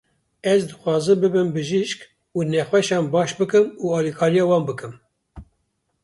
Ez dixwazim bibim bijîşk û nexweşan baş bikim û alîkariya wan bikim.